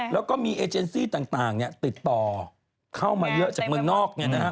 แล้วก็มีเอเจนซี่ต่างติดต่อเข้ามาเยอะจากเมืองนอก